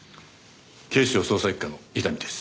警視庁捜査一課の伊丹です。